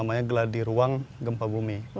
namanya geladi ruang gempa bumi